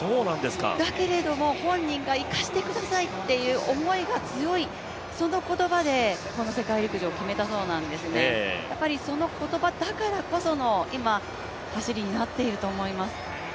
だけれども本人が行かせてくださいという気持ちが大きいので、この世界陸上を決めたそうなんですね、その言葉だからこその今、走りになっていると思います。